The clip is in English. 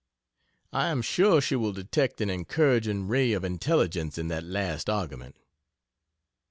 I am sure she will detect an encouraging ray of intelligence in that last argument.....